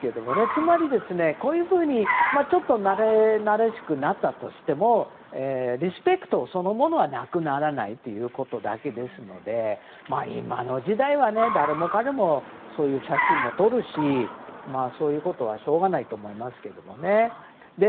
つまり、こういうふうにちょっとなれなれしくなったとしてもリスペクトそのものはなくならないということなので今の時代は誰もかれも写真も撮るしそういうことはしょうがないと思いますけどもね。